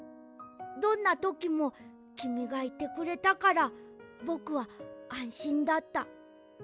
どんなときもきみがいてくれたからぼくはあんしんだった。